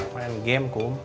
main game kum